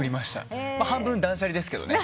半分断捨離ですけどね。